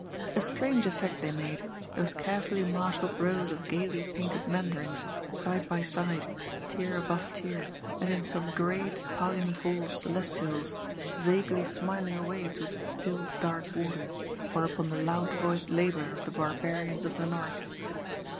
A strange effect they made, those carefully marshalled rows of gaily painted Mandarins, side by side, tier aboye tier, as in some great parliament hall of celestials, vaguely smiling away towards the still, dark water, or upon the loud voiced labour of the barbarians of the North.